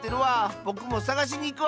ぼくもさがしにいくわ！